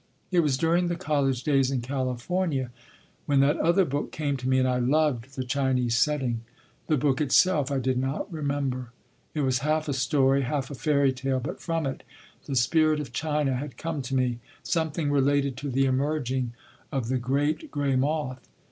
It was during the college days in California when that other book came to me, and I loved the Chinese setting. The book itself, I did not remember. It was half a story, half a fairy tale, but from it, the spirit of China had come to me—something related to the emerging of the great gray moth.